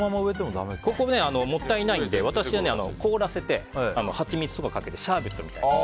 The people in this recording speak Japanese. ここはもったいないので私は凍らせてハチミツとかかけてシャーベットみたいに。